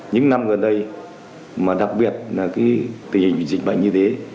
những năm gần đây mà đặc biệt là tình hình dịch bệnh như thế